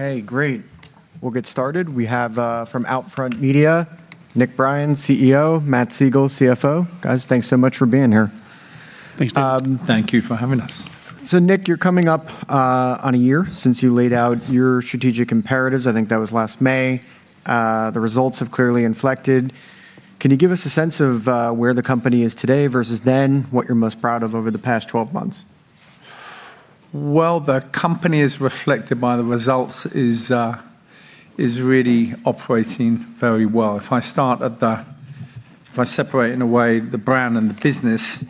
Hey, great. We'll get started. We have from Outfront Media, Nick Brien, CEO, Matt Siegel, CFO. Guys, thanks so much for being here. Thanks, Dave. Thank you for having us. Nick, you're coming up on a year since you laid out your strategic imperatives. I think that was last May. The results have clearly inflected. Can you give us a sense of where the company is today versus then, what you're most proud of over the past 12 months? The company as reflected by the results is really operating very well. If I separate in a way the brand and the business,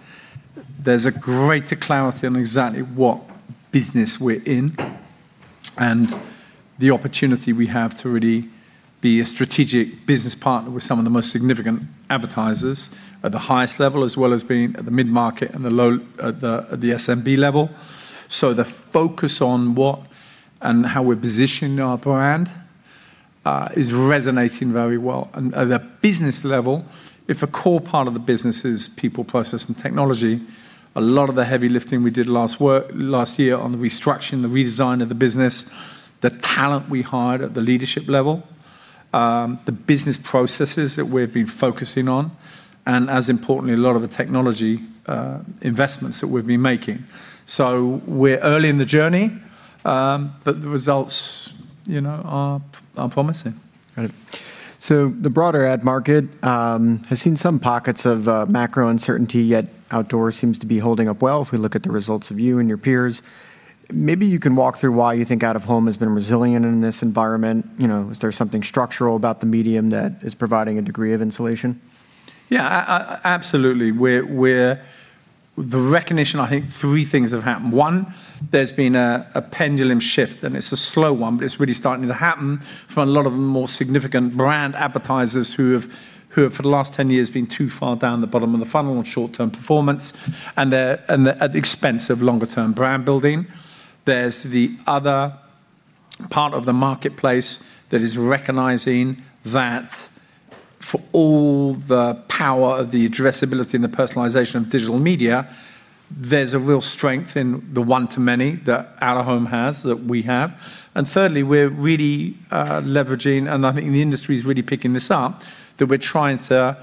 there's a greater clarity on exactly what business we're in and the opportunity we have to really be a strategic business partner with some of the most significant advertisers at the highest level, as well as being at the mid-market and the SMB level. The focus on what and how we're positioning our brand is resonating very well. At a business level, if a core part of the business is people, process, and technology, a lot of the heavy lifting we did last year on the restructuring, the redesign of the business, the talent we hired at the leadership level, the business processes that we've been focusing on, and as importantly, a lot of the technology investments that we've been making. We're early in the journey, but the results, you know, are promising. Got it. The broader ad market has seen some pockets of macro uncertainty, yet outdoor seems to be holding up well, if we look at the results of you and your peers. Maybe you can walk through why you think out-of-home has been resilient in this environment. You know, is there something structural about the medium that is providing a degree of insulation? Yeah. Absolutely. The recognition, I think three things have happened. One, there's been a pendulum shift. It's a slow one, but it's really starting to happen for a lot of the more significant brand advertisers who have for the last 10 years been too far down the bottom of the funnel on short-term performance and at the expense of longer-term brand building. There's the other part of the marketplace that is recognizing that for all the power of the addressability and the personalization of digital media, there's a real strength in the one-to-many that out-of-home has, that we have. Thirdly, we're really leveraging, and I think the industry is really picking this up, that we're trying to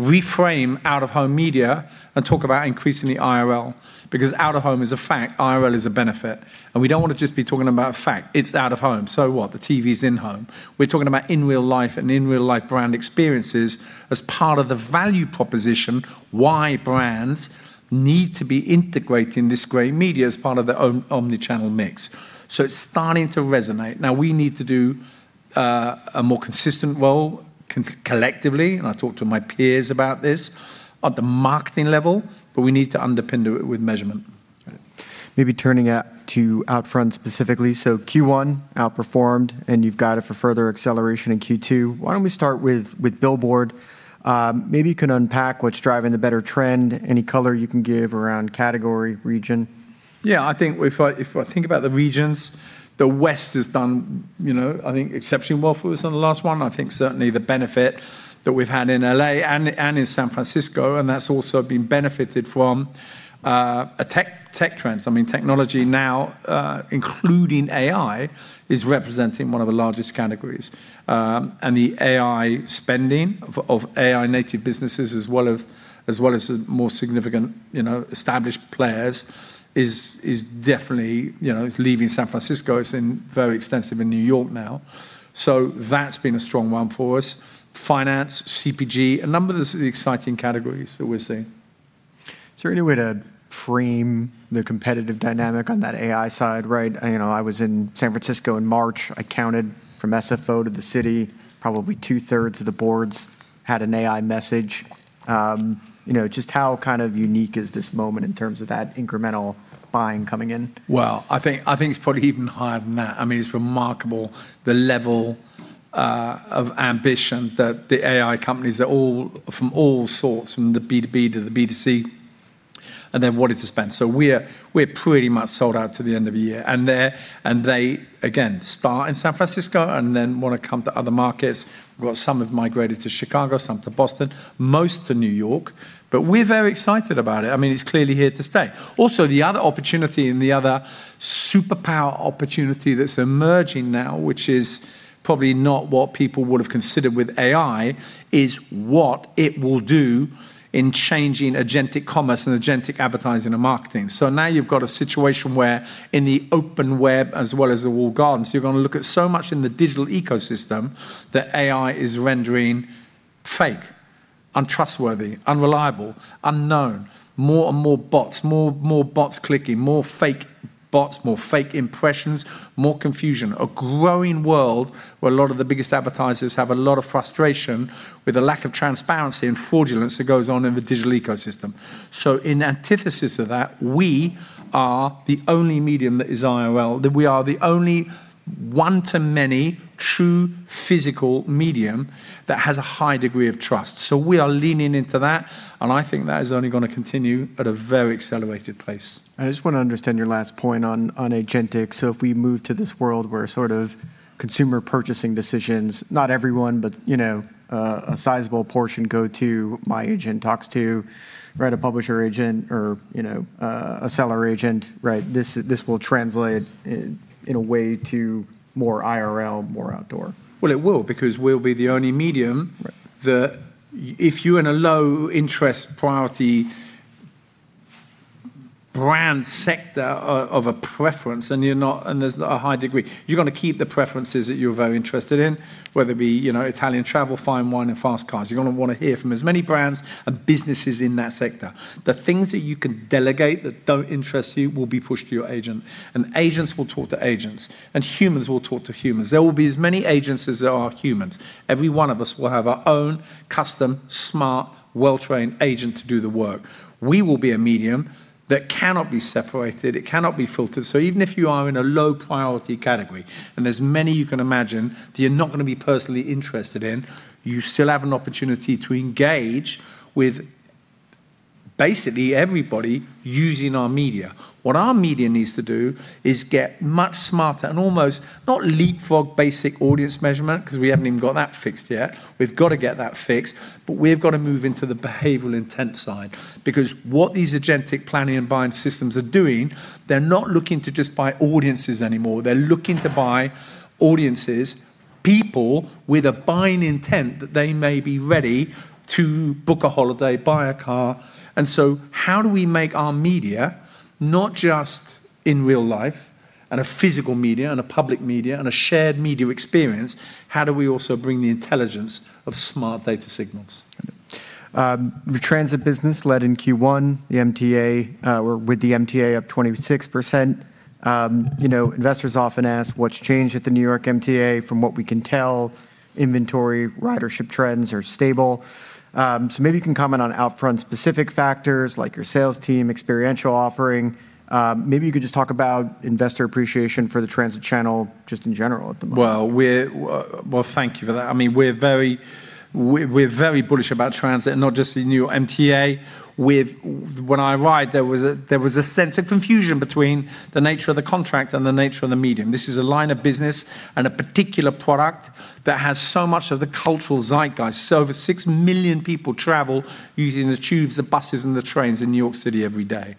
reframe out-of-home media and talk about increasingly IRL. Because out-of-home is a fact. IRL is a benefit. We don't wanna just be talking about fact. It's out-of-home. What? The TV's in-home. We're talking about in real life and in real life brand experiences as part of the value proposition, why brands need to be integrating this great media as part of their own omnichannel mix. It's starting to resonate. We need to do a more consistent role collectively, and I talked to my peers about this, at the marketing level, but we need to underpin to it with measurement. Maybe turning out to Outfront specifically. Q1 outperformed, and you've got it for further acceleration in Q2. Why don't we start with Billboard? Maybe you can unpack what's driving the better trend, any color you can give around category, region. Yeah. I think if I think about the regions, the West has done, you know, I think exceptionally well for us on the last one. I think certainly the benefit that we've had in L.A. and in San Francisco, and that's also been benefited from a tech trends. I mean, technology now, including AI, is representing one of the largest categories. And the AI spending of AI-native businesses as well as the more significant, you know, established players is definitely, you know, it's leaving San Francisco. It's very extensive in New York now. That's been a strong one for us. Finance, CPG, a number of these are the exciting categories that we're seeing. Is there any way to frame the competitive dynamic on that AI side, right? You know, I was in San Francisco in March. I counted from SFO to the city, probably two-thirds of the boards had an AI message. You know, just how kind of unique is this moment in terms of that incremental buying coming in? Well, I think it's probably even higher than that. I mean, it's remarkable the level of ambition that the AI companies are all from all sorts, from the B2B to the B2C, and they're willing to spend. We're pretty much sold out to the end of the year. They, again, start in San Francisco and then wanna come to other markets. We've got some have migrated to Chicago, some to Boston, most to New York. We're very excited about it. I mean, it's clearly here to stay. Also, the other opportunity and the other superpower opportunity that's emerging now, which is probably not what people would have considered with AI, is what it will do in changing agentic commerce and agentic advertising and marketing. Now you've got a situation where in the open web as well as the walled gardens, you're going to look at so much in the digital ecosystem that AI is rendering fake, untrustworthy, unreliable, unknown, more and more bots clicking, more fake bots, more fake impressions, more confusion. A growing world where a lot of the biggest advertisers have a lot of frustration with the lack of transparency and fraudulence that goes on in the digital ecosystem. In antithesis of that, we are the only medium that is IRL, that we are the only one-to-many true physical medium that has a high degree of trust. We are leaning into that, and I think that is only going to continue at a very accelerated pace. I just wanna understand your last point on agentic. If we move to this world where sort of Consumer purchasing decisions, not everyone, but, you know, a sizable portion go to my agent, talks to, right, a publisher agent or, you know, a seller agent, right? This will translate in a way to more IRL, more outdoor. Well, it will because we'll be the only medium- Right. -that if you're in a low-interest priority brand sector of a preference and you're not, and there's not a high degree, you're gonna keep the preferences that you're very interested in, whether it be, you know, Italian travel, fine wine, and fast cars. You're gonna wanna hear from as many brands and businesses in that sector. The things that you can delegate that don't interest you will be pushed to your agent, and agents will talk to agents, and humans will talk to humans. There will be as many agents as there are humans. Every one of us will have our own custom, smart, well-trained agent to do the work. We will be a medium that cannot be separated, it cannot be filtered. Even if you are in a low-priority category, and there's many you can imagine that you're not going to be personally interested in, you still have an opportunity to engage with basically everybody using our media. What our media needs to do is get much smarter and almost, not leapfrog basic audience measurement, because we haven't even got that fixed yet. We've got to get that fixed, but we have got to move into the behavioral intent side because what these agentic planning and buying systems are doing, they're not looking to just buy audiences anymore. They're looking to buy audiences, people with a buying intent that they may be ready to book a holiday, buy a car. How do we make our media not just in real life and a physical media and a public media and a shared media experience? How do we also bring the intelligence of smart data signals? The transit business led in Q1, with the MTA up 26%. You know, investors often ask what's changed at the New York MTA. From what we can tell, inventory ridership trends are stable. Maybe you can comment on Outfront specific factors like your sales team, experiential offering. Maybe you could just talk about investor appreciation for the transit channel just in general at the moment. Well, thank you for that. I mean, we're very bullish about transit and not just the new MTA. When I arrived, there was a sense of confusion between the nature of the contract and the nature of the medium. This is a line of business and a particular product that has so much of the cultural zeitgeist. Over 6 million people travel using the tubes, the buses, and the trains in New York City every day.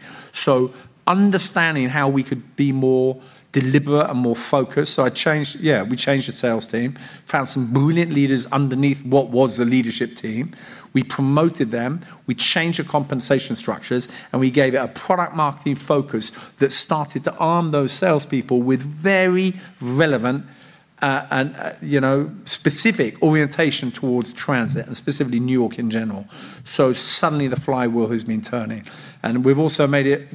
Understanding how we could be more deliberate and more focused. I changed, yeah, we changed the sales team, found some brilliant leaders underneath what was the leadership team. We promoted them, we changed the compensation structures, and we gave it a product marketing focus that started to arm those salespeople with very relevant, and, you know, specific orientation towards transit and specifically New York in general. Suddenly the flywheel has been turning. We've also made it.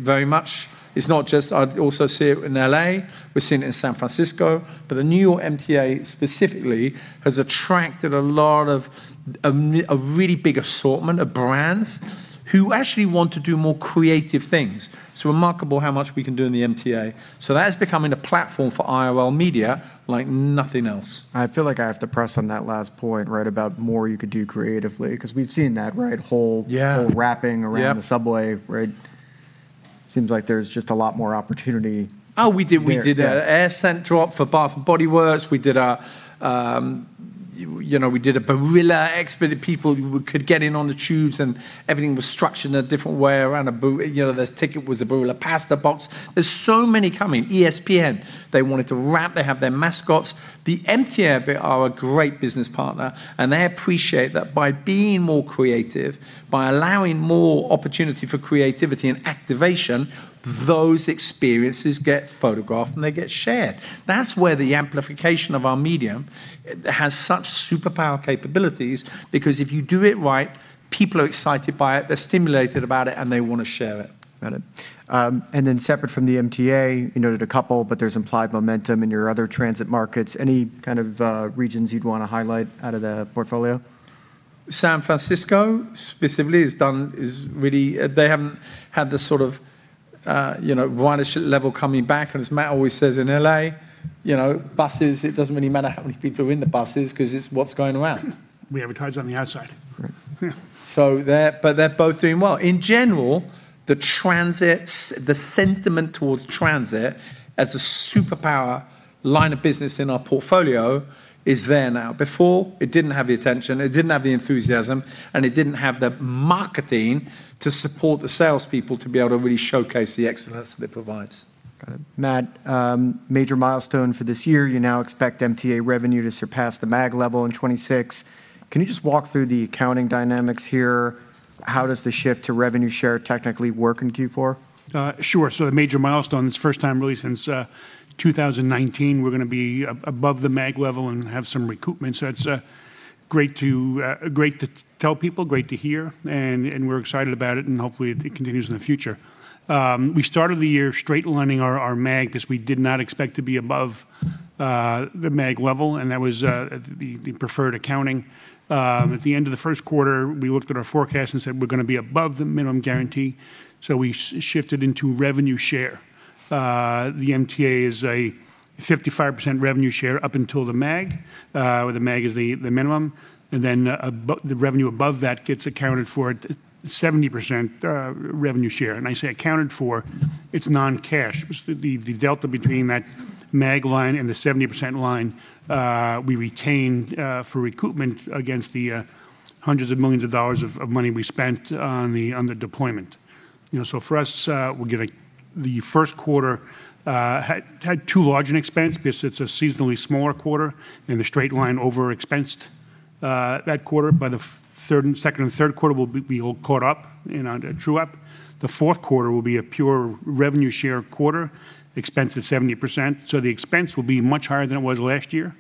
I also see it in L.A., we're seeing it in San Francisco. The New York MTA specifically has attracted a lot of, a really big assortment of brands who actually want to do more creative things. It's remarkable how much we can do in the MTA. That is becoming a platform for IRL media like nothing else. I feel like I have to press on that last point, right, about more you could do creatively because we've seen that, right. Yeah. Whole wrapping around- Yeah. -the subway, right? Seems like there's just a lot more opportunity. Oh, we did- There. Yeah. We did an air scent drop for Bath & Body Works. We did a, you know, we did a Barilla experience that people could get in on the tubes, and everything was structured in a different way around you know, the ticket was a Barilla pasta box. There's so many coming. ESPN, they wanted to wrap. They have their mascots. The MTA are a great business partner, and they appreciate that by being more creative, by allowing more opportunity for creativity and activation, those experiences get photographed, and they get shared. That's where the amplification of our medium has such superpower capabilities because if you do it right, people are excited by it, they're stimulated about it, and they wanna share it. Got it. Separate from the MTA, you noted a couple, but there's implied momentum in your other transit markets. Any kind of regions you'd wanna highlight out of the portfolio? San Francisco specifically has done. They haven't had the sort of, you know, ridership level coming back. As Matt always says, in L.A., you know, buses, it doesn't really matter how many people are in the buses because it's what's going around. We advertise on the outside. Right. Yeah. They're both doing well. In general, the sentiment towards transit as a superpower line of business in our portfolio is there now. Before, it didn't have the attention, it didn't have the enthusiasm, and it didn't have the marketing to support the salespeople to be able to really showcase the excellence that it provides. Got it, Matt. Major milestone for this year. You now expect MTA revenue to surpass the MAG level in 2026. Can you just walk through the accounting dynamics here? How does the shift to revenue share technically work in Q4? Sure. The major milestone, it's the first time really since 2019, we're gonna be above the MAG level and have some recoupment. It's great to tell people, great to hear, and we're excited about it, and hopefully it continues in the future. We started the year straight lining our MAG because we did not expect to be above the MAG level, and that was the preferred accounting. At the end of the first quarter, we looked at our forecast and said we're gonna be above the minimum guarantee, we shifted into revenue share. The MTA is a 55% revenue share up until the MAG, where the MAG is the minimum, and then the revenue above that gets accounted for at 70% revenue share. I say accounted for, it's non-cash. The delta between that MAG line and the 70% line, we retain for recoupment against the hundreds of millions of dollars of money we spent on the deployment. For us, we're getting the first quarter had too large an expense because it's a seasonally smaller quarter, and the straight line over-expensed that quarter. By the third and second or third quarter, we'll be all caught up in our true-up. The fourth quarter will be a pure revenue share quarter, expense is 70%, so the expense will be much higher than it was last year.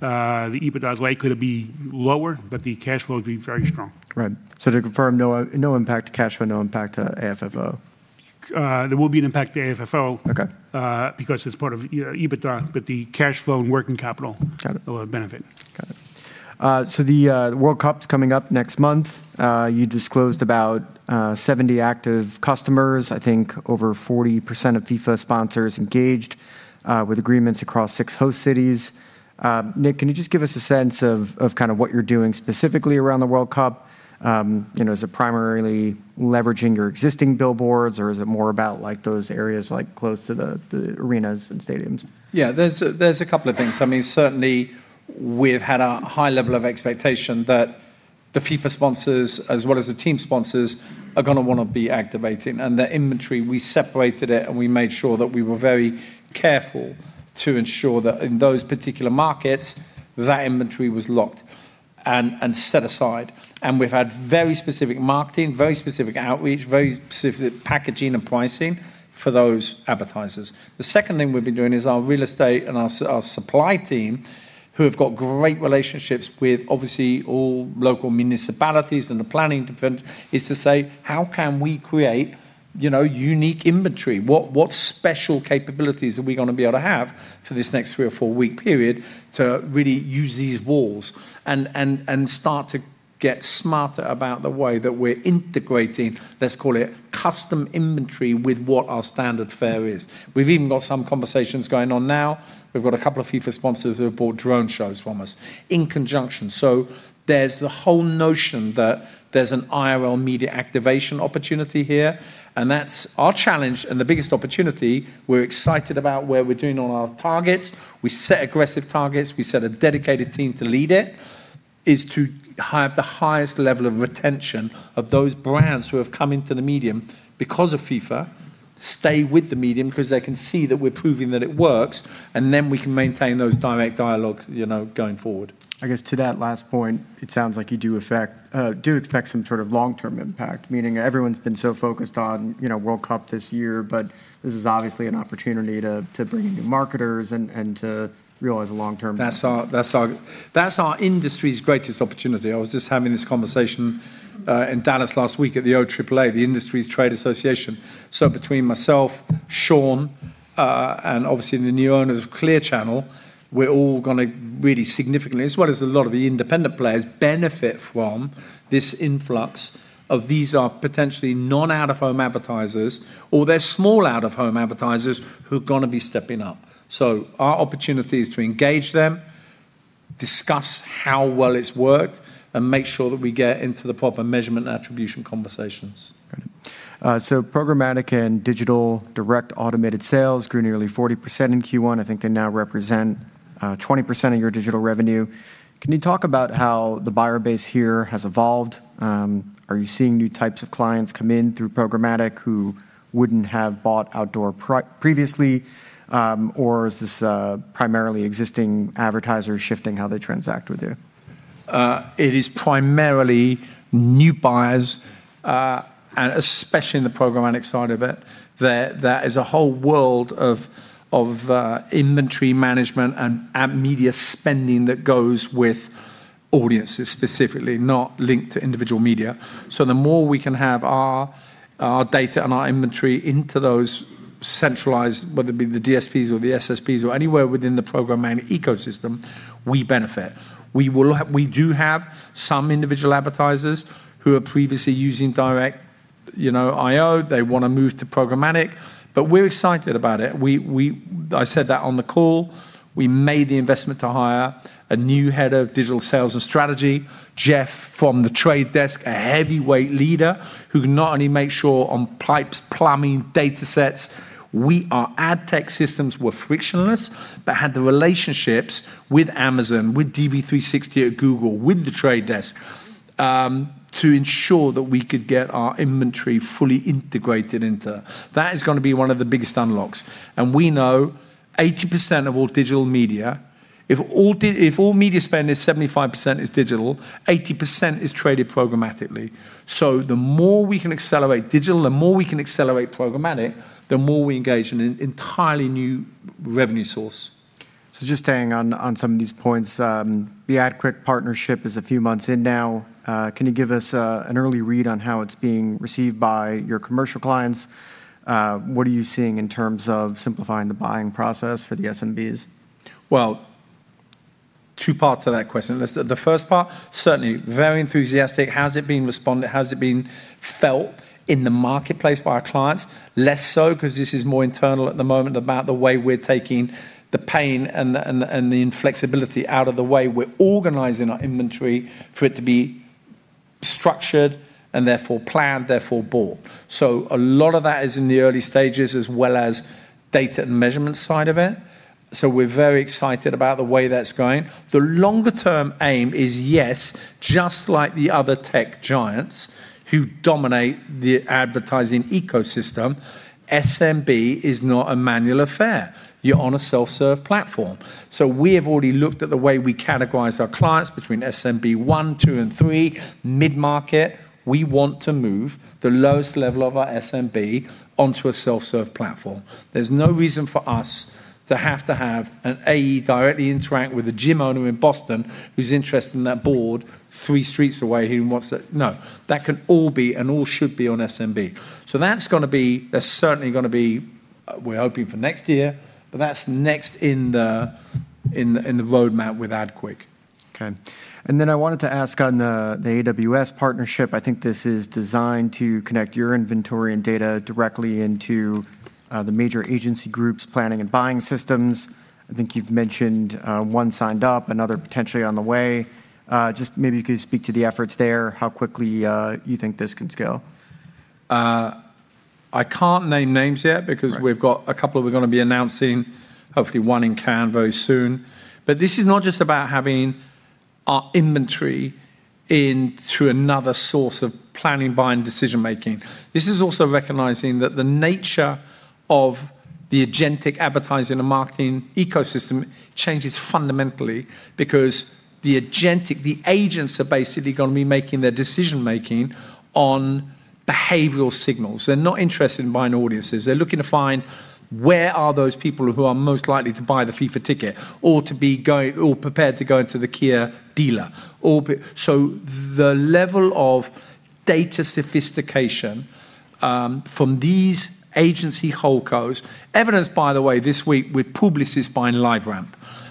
The EBITDA is likely to be lower. The cash flow will be very strong. Right. To confirm, no impact to cash flow, no impact to AFFO? There will be an impact to AFFO- Okay. -because it's part of, you know, EBITDA, but the cash flow and working capital- Got it. -will benefit. Got it. The World Cup's coming up next month. You disclosed about 70 active customers, I think over 40% of FIFA sponsors engaged with agreements across six host cities. Nick, can you just give us a sense of kind of what you're doing specifically around the World Cup? You know, is it primarily leveraging your existing billboards, or is it more about, like, those areas, close to the arenas and stadiums? Yeah, there's a couple of things. I mean, certainly we've had a high level of expectation that the FIFA sponsors, as well as the team sponsors, are gonna wanna be activating. The inventory, we separated it, and we made sure that we were very careful to ensure that in those particular markets, that inventory was locked and set aside. We've had very specific marketing, very specific outreach, very specific packaging and pricing for those advertisers. The second thing we've been doing is our real estate and our supply team, who have got great relationships with obviously all local municipalities and the planning department, is to say, "How can we create, you know, unique inventory? What special capabilities are we gonna be able to have for this next three or four-week period to really use these walls and start to get smarter about the way that we're integrating, let's call it, custom inventory with what our standard fare is. We've even got some conversations going on now. We've got a couple of FIFA sponsors who have bought drone shows from us in conjunction. There's the whole notion that there's an IRL media activation opportunity here, and that's our challenge and the biggest opportunity we're excited about where we're doing on our targets. We set aggressive targets. We set a dedicated team to lead it, is to have the highest level of retention of those brands who have come into the medium because of FIFA, stay with the medium because they can see that we're proving that it works, and then we can maintain those direct dialogues, you know, going forward. I guess to that last point, it sounds like you do expect some sort of long-term impact, meaning everyone's been so focused on, you know, World Cup this year. This is obviously an opportunity to bring in new marketers and to realize. That's our industry's greatest opportunity. I was just having this conversation in Dallas last week at the OAAA, the industry's trade association. Between myself, Sean, and obviously the new owners of Clear Channel, we're all gonna really significantly, as well as a lot of the independent players, benefit from this influx of these are potentially non out-of-home advertisers or they're small out-of-home advertisers who are gonna be stepping up. Our opportunity is to engage them, discuss how well it's worked, and make sure that we get into the proper measurement and attribution conversations. Got it. Programmatic and digital direct automated sales grew nearly 40% in Q1. I think they now represent 20% of your digital revenue. Can you talk about how the buyer base here has evolved? Are you seeing new types of clients come in through programmatic who wouldn't have bought outdoor previously, or is this primarily existing advertisers shifting how they transact with you? It is primarily new buyers, and especially in the programmatic side of it. There is a whole world of inventory management and ad media spending that goes with audiences specifically, not linked to individual media. The more we can have our data and our inventory into those centralized, whether it be the DSPs or the SSPs or anywhere within the programmatic ecosystem, we benefit. We do have some individual advertisers who are previously using direct, you know, IO, they wanna move to programmatic, but we're excited about it. I said that on the call. We made the investment to hire a new head of digital sales and strategy, Jeff from The Trade Desk, a heavyweight leader who can not only make sure on pipes, plumbing, data sets, our ad tech systems were frictionless, but had the relationships with Amazon, with DV360 at Google, with The Trade Desk, to ensure that we could get our inventory fully integrated into. That is gonna be one of the biggest unlocks, and we know 80% of all digital media, if all media spend is 75% is digital, 80% is traded programmatically. The more we can accelerate digital, the more we can accelerate programmatic, the more we engage in an entirely new revenue source. Just staying on some of these points, the AdQuick partnership is a few months in now. Can you give us an early read on how it's being received by your commercial clients? What are you seeing in terms of simplifying the buying process for the SMBs? Well, two parts to that question. Let's the first part, certainly very enthusiastic. Has it been responded? Has it been felt in the marketplace by our clients? Less so, because this is more internal at the moment about the way we're taking the pain and the inflexibility out of the way we're organizing our inventory for it to be structured and therefore planned, therefore bought. A lot of that is in the early stages, as well as data and measurement side of it, so we're very excited about the way that's going. The longer term aim is, yes, just like the other tech giants who dominate the advertising ecosystem, SMB is not a manual affair. You're on a self-serve platform. We have already looked at the way we categorize our clients between SMB 1, 2, and 3, mid-market. We want to move the lowest level of our SMB onto a self-serve platform. There's no reason for us to have to have an AE directly interact with a gym owner in Boston who's interested in that board three streets away who wants it. No. That can all be, and all should be, on SMB. That's certainly gonna be, we're hoping for next year, but that's next in the roadmap with AdQuick. Okay. I wanted to ask on the AWS partnership, I think this is designed to connect your inventory and data directly into the major agency groups planning and buying systems. I think you've mentioned one signed up, another potentially on the way. Just maybe you could speak to the efforts there, how quickly you think this can scale. I can't name names yet. Right. We've got a couple that we're gonna be announcing, hopefully one in Cannes very soon. This is not just about having our inventory in through another source of planning, buying, decision-making. This is also recognizing that the nature of the agentic advertising and marketing ecosystem changes fundamentally because the agentic, the agents are basically gonna be making their decision-making on behavioral signals. They're not interested in buying audiences. They're looking to find where are those people who are most likely to buy the FIFA ticket, or to be prepared to go into the Kia dealer. The level of data sophistication from these agency holdcos, evidenced by the way this week with Publicis buying LiveRamp,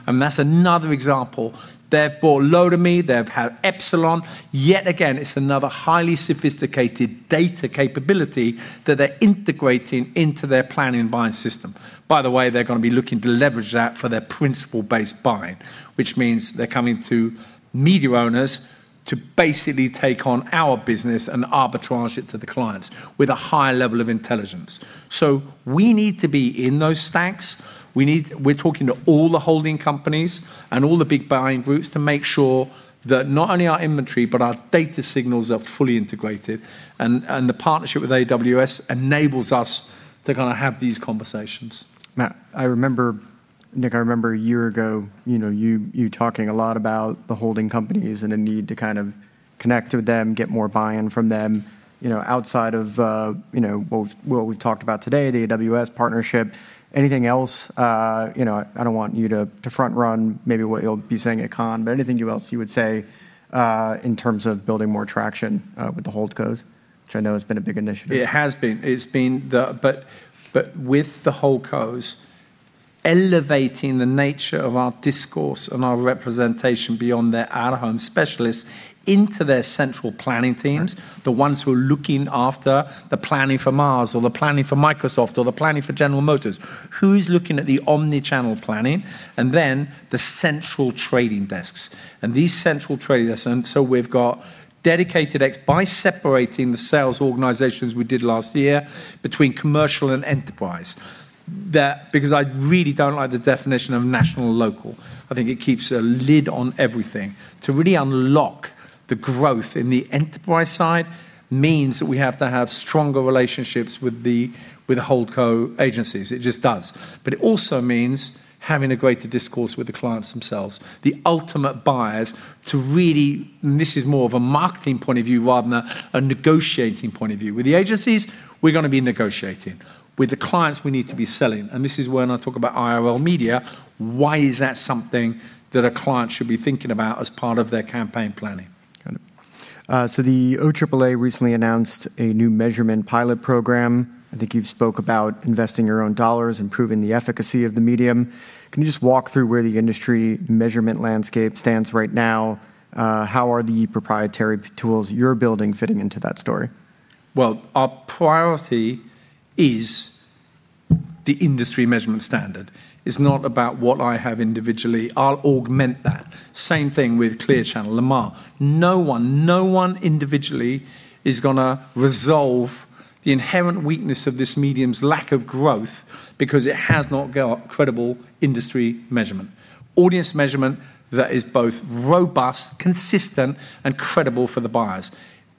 and that's another example. They've bought Lotame, they've had Epsilon. Yet again, it's another highly sophisticated data capability that they're integrating into their planning and buying system. By the way, they're gonna be looking to leverage that for their principal-based buying, which means they're coming to media owners to basically take on our business and arbitrage it to the clients with a higher level of intelligence. We need to be in those stacks. We're talking to all the holding companies and all the big buying groups to make sure that not only our inventory, but our data signals are fully integrated and the partnership with AWS enables us to kind of have these conversations. Matt, I remember Nick, I remember a year ago, you know, you talking a lot about the holding companies and a need to kind of connect with them, get more buy-in from them. You know, outside of, you know, what we've talked about today, the AWS partnership, anything else? You know, I don't want you to front run maybe what you'll be saying at Cannes, but anything you else you would say in terms of building more traction with the holdcos? Which I know has been a big initiative. It has been. With the holdcos, elevating the nature of our discourse and our representation beyond their out-of-home specialists into their central planning teams. Right. The ones who are looking after the planning for Mars or the planning for Microsoft or the planning for General Motors. Who is looking at the omnichannel planning? The central trading desks. We've got dedicated By separating the sales organizations we did last year between commercial and enterprise. I really don't like the definition of national and local. I think it keeps a lid on everything. To really unlock the growth in the enterprise side means that we have to have stronger relationships with the holdco agencies. It just does. It also means having a greater discourse with the clients themselves, the ultimate buyers. This is more of a marketing point of view rather than a negotiating point of view. With the agencies, we're gonna be negotiating. With the clients, we need to be selling. This is when I talk about IRL media, why is that something that a client should be thinking about as part of their campaign planning? Got it. The OAAA recently announced a new measurement pilot program. I think you've spoke about investing your own dollars, improving the efficacy of the medium. Can you just walk through where the industry measurement landscape stands right now? How are the proprietary tools you're building fitting into that story? Our priority is the industry measurement standard. It's not about what I have individually. I'll augment that. Same thing with Clear Channel, Lamar. No one individually is gonna resolve the inherent weakness of this medium's lack of growth because it has not got credible industry measurement. Audience measurement that is both robust, consistent, and credible for the buyers.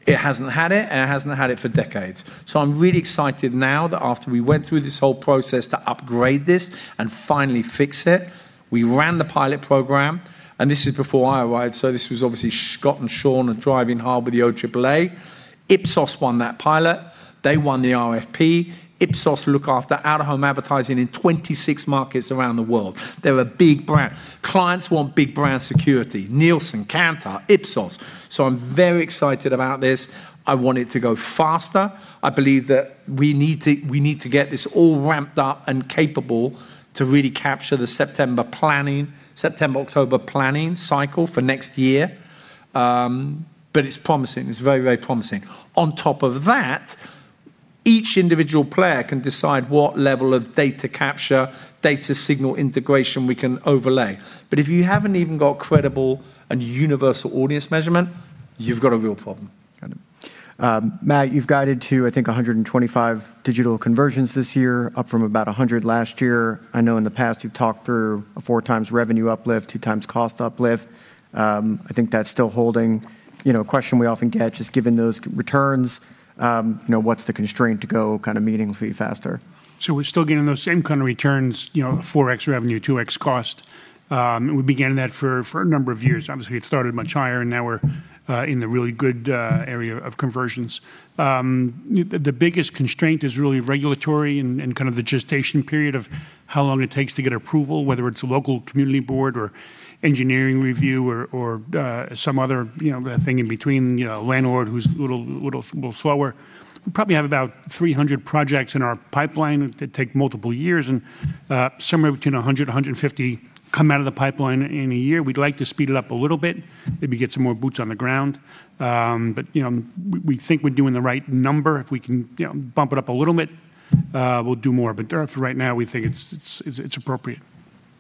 It hasn't had it, and it hasn't had it for decades. I'm really excited now that after we went through this whole process to upgrade this and finally fix it, we ran the pilot program, and this is before I arrived, so this was obviously Scott and Sean are driving hard with the OAAA. Ipsos won that pilot. They won the RFP. Ipsos look after out-of-home advertising in 26 markets around the world. They're a big brand. Clients want big brand security, Nielsen, Kantar, Ipsos. I'm very excited about this. I want it to go faster. I believe that we need to get this all ramped up and capable to really capture the September planning, September/October planning cycle for next year. It's promising. It's very promising. On top of that, each individual player can decide what level of data capture, data signal integration we can overlay. If you haven't even got credible and universal audience measurement, you've got a real problem. Got it. Matt, you've guided to, I think, 125 digital conversions this year, up from about 100 last year. I know in the past you've talked through a 4x revenue uplift, 2x cost uplift. I think that's still holding. You know, a question we often get, just given those returns, you know, what's the constraint to go kind of meaningfully faster? We're still getting those same kind of returns, you know, 4x revenue, 2x cost. And we've been getting that for a number of years. Obviously, it started much higher, and now we're in the really good area of conversions. The biggest constraint is really regulatory and kind of the gestation period of how long it takes to get approval, whether it's a local community board or engineering review or some other, you know, thing in between, you know, a landlord who's a little slower. We probably have about 300 projects in our pipeline that take multiple years and somewhere between 150 come out of the pipeline in a year. We'd like to speed it up a little bit, maybe get some more boots on the ground. You know, we think we're doing the right number. If we can, you know, bump it up a little bit, we'll do more. For right now, we think it's appropriate.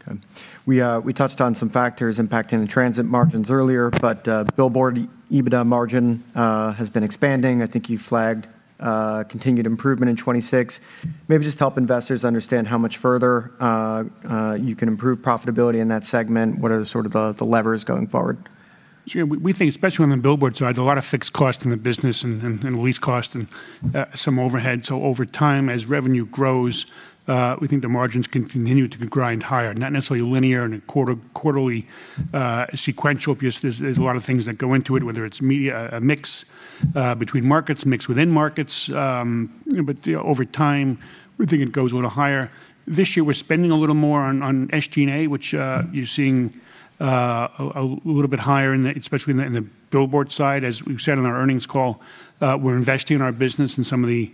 Okay. We touched on some factors impacting the transit margins earlier, but billboard EBITDA margin has been expanding. I think you flagged continued improvement in 2026. Maybe just help investors understand how much further you can improve profitability in that segment. What are sort of the levers going forward? Sure. We think, especially on the billboard side, there's a lot of fixed cost in the business and lease cost and some overhead. Over time, as revenue grows, we think the margins can continue to grind higher. Not necessarily linear in a quarterly sequential basis. There's a lot of things that go into it, whether it's media, a mix between markets, mix within markets. You know, over time, we think it goes a little higher. This year we're spending a little more on SG&A, which you're seeing a little bit higher especially in the billboard side. As we've said on our earnings call, we're investing in our business in some of the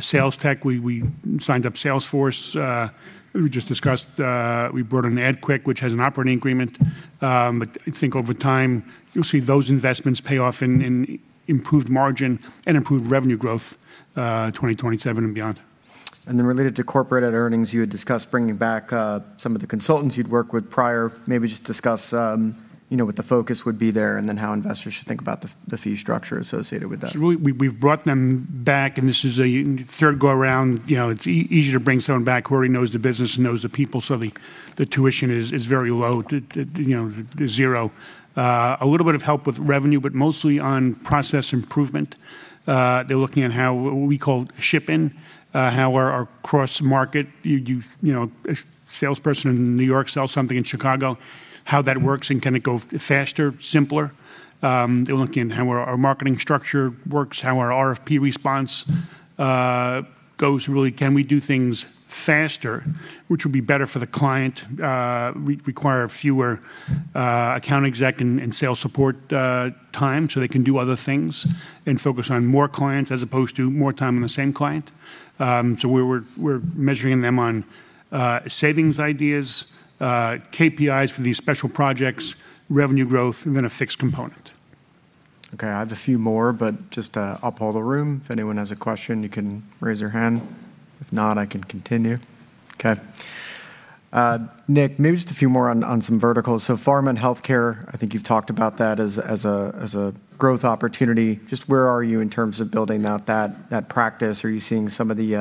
sales tech. We signed up Salesforce. We just discussed, we brought on AdQuick, which has an operating agreement. I think over time, you'll see those investments pay off in improved margin and improved revenue growth, 2027 and beyond. Related to corporate at earnings, you had discussed bringing back some of the consultants you'd worked with prior. Maybe just discuss, you know, what the focus would be there and then how investors should think about the fee structure associated with that. Really, we've brought them back and this is a 3rd go around. You know, it's easier to bring someone back who already knows the business and knows the people, so the tuition is very low to, you know, zero. A little bit of help with revenue, but mostly on process improvement. They're looking at how, what we call ship in, how our cross-market, you know, a salesperson in New York sells something in Chicago, how that works and can it go faster, simpler. They're looking at how our marketing structure works, how our RFP response, goes really. Can we do things faster? Which would be better for the client. Require fewer account exec and sales support time so they can do other things and focus on more clients as opposed to more time on the same client. We're measuring them on savings ideas, KPIs for these special projects, revenue growth, and then a fixed component. I have a few more, but just to uphold the room, if anyone has a question, you can raise your hand. If not, I can continue. Nick, maybe just a few more on some verticals. Pharma and healthcare, I think you've talked about that as a growth opportunity. Just where are you in terms of building out that practice? Are you seeing some of the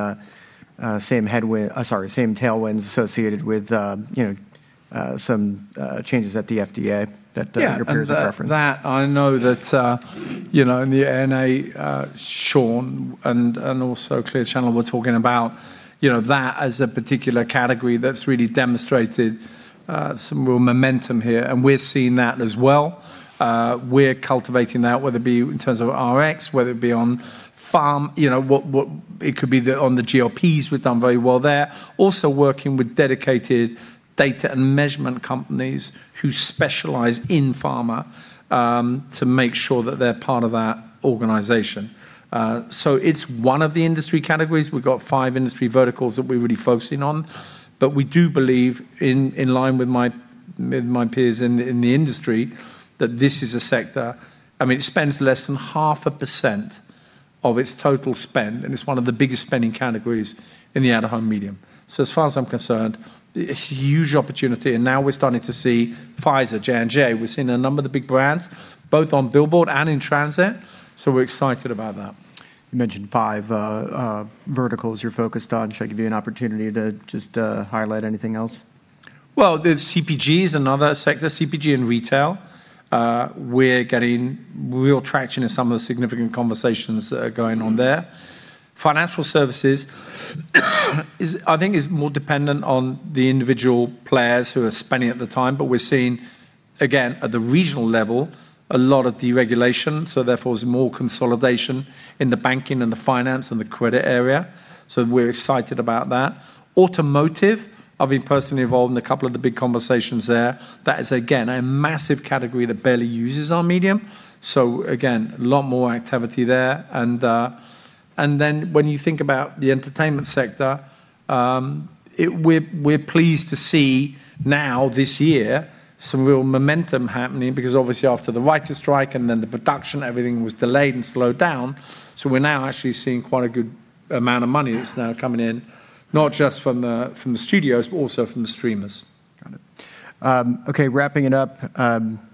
same tailwinds associated with, you know, some changes at the FDA that your peers have referenced? Yeah. That, I know that, in the ANA, Sean and also Clear Channel were talking about, that as a particular category that's really demonstrated, some real momentum here, and we're seeing that as well. We're cultivating that, whether it be in terms of Rx, whether it be on pharma. On the GLP-1s, we've done very well there. Also working with dedicated data and measurement companies who specialize in pharma, to make sure that they're part of that organization. It's one of the industry categories. We've got five industry verticals that we're really focusing on. We do believe in line with my, with my peers in the industry that this is a sector. I mean, it spends less than half a percent of its total spend, and it's one of the biggest spending categories in the out-of-home medium. As far as I'm concerned, a huge opportunity. Now we're starting to see Pfizer, J&J. We're seeing a number of the big brands both on billboard and in transit, so we're excited about that. You mentioned five verticals you're focused on. Should I give you an opportunity to just highlight anything else? The CPG is another sector. CPG and retail. We're getting real traction in some of the significant conversations that are going on there. Financial services is, I think is more dependent on the individual players who are spending at the time. We're seeing, again, at the regional level, a lot of deregulation, so therefore there's more consolidation in the banking and the finance and the credit area. We're excited about that. Automotive, I've been personally involved in a couple of the big conversations there. That is, again, a massive category that barely uses our medium. Again, a lot more activity there. When you think about the entertainment sector, we're pleased to see now this year some real momentum happening because obviously after the writers' strike and then the production, everything was delayed and slowed down. We're now actually seeing quite a good amount of money that's now coming in, not just from the, from the studios, but also from the streamers. Got it. Okay, wrapping it up,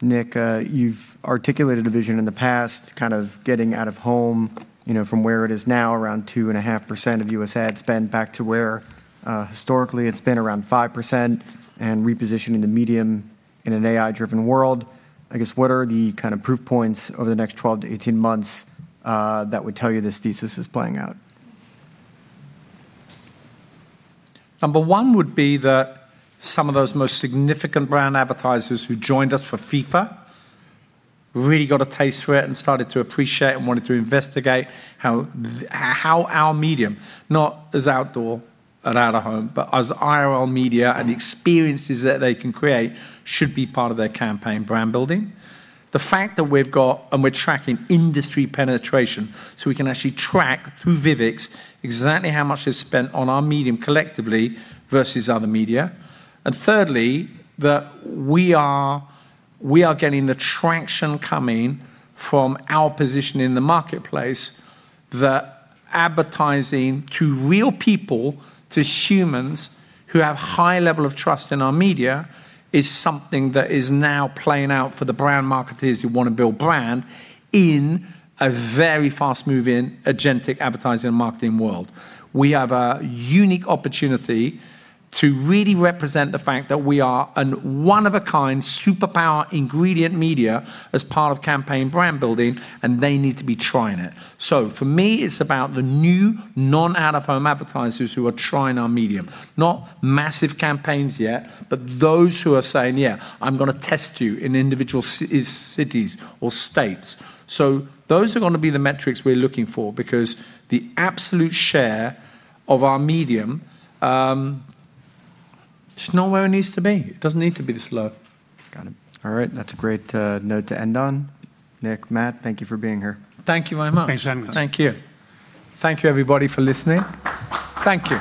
Nick, you've articulated a vision in the past kind of getting out-of-home, you know, from where it is now, around 2.5% of U.S. ad spend back to where historically it's been around 5% and repositioning the medium in an AI-driven world. I guess what are the kind of proof points over the next 12 to 18 months that would tell you this thesis is playing out? Number one would be that some of those most significant brand advertisers who joined us for FIFA really got a taste for it and started to appreciate and wanted to investigate how our medium, not as outdoor and out-of-home, but as IRL media and the experiences that they can create should be part of their campaign brand building. The fact that we've got and we're tracking industry penetration, so we can actually track through Vivvix exactly how much is spent on our medium collectively versus other media. Thirdly, that we are getting the traction coming from our position in the marketplace that advertising to real people, to humans who have high level of trust in our media, is something that is now playing out for the brand marketers who wanna build brand in a very fast-moving agentic advertising and marketing world. We have a unique opportunity to really represent the fact that we are an one-of-a-kind superpower ingredient media as part of campaign brand building, and they need to be trying it. For me, it's about the new non out-of-home advertisers who are trying our medium. Not massive campaigns yet, but those who are saying, "Yeah, I'm gonna test you in individual cities or states." Those are gonna be the metrics we're looking for because the absolute share of our medium, it's not where it needs to be. It doesn't need to be this low. Got it. All right. That's a great note to end on. Nick, Matt, thank you for being here. Thank you very much. Thanks very much. Thank you. Thank you, everybody, for listening. Thank you.